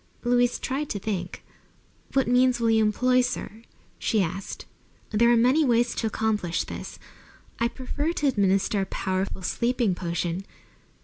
Louise tried to think. "What means will you employ, sir?" she asked. "There are many ways to accomplish this. I prefer to administer a powerful sleeping potion.